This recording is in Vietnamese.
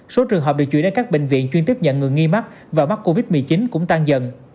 số trường hợp được chuyển đến các bệnh viện chuyên tiếp nhận người nghi mắc và mắc covid một mươi chín cũng tăng dần